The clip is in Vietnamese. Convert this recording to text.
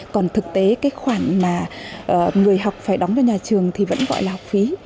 còn thực tế cái khoản mà người học phải đóng cho nhà trường thì vẫn gọi là học phí